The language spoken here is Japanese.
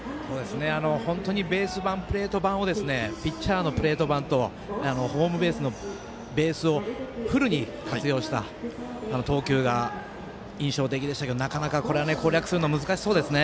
本当にベース板、プレート板をピッチャーのプレート板とホームベースをフルに活用した投球が印象的でしたけどなかなか、これは攻略するの難しそうですね。